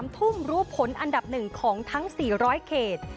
๓ทุ่มรู้ผลอันดับ๑ของทั้ง๔๐๐เขต